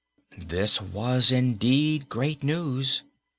This was, indeed, great news.